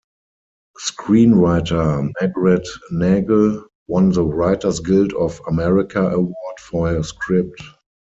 Screenwriter Margaret Nagle won the Writers Guild of America Award for her script.